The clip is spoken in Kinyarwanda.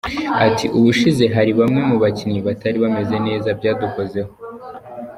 Ati:” Ubushize hari bamwe mu bakinnyi batari bameze neza byadukoze ho.